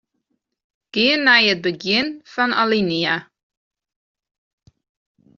Gean nei it begjin fan alinea.